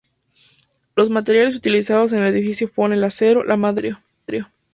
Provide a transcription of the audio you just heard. Los materiales utilizados en el edificio fueron el acero, la madera y el vidrio.